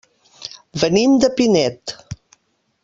Venim de Pinet.